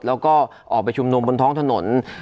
แล้วก็ออกไปชุมนุมบนท้องถนน